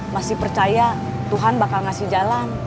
masih percaya tuhan bakal ngasih jalan